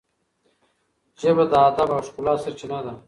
ژبه د ادب او ښکلا سرچینه ده.